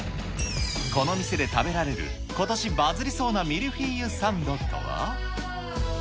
この店で食べられる、ことしバズりそうなミルフィーユサンドとは？